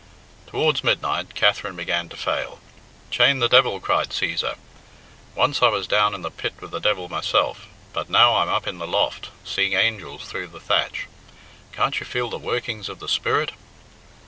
Towards midnight Katherine began to fail. "Chain the devil,", cried Cæsar. "Once I was down in the pit with the devil myself, but now I'm up in the loft, seeing angels through the thatch. Can't you feel the workings of the Spirit?"